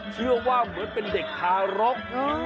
เชื่อว่าเหมือนเป็นเด็กทารก